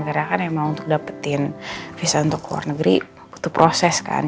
karena kan emang untuk dapetin visa untuk ke luar negeri butuh proses kan